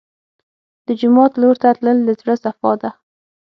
د جومات لور ته تلل د زړه صفا ده.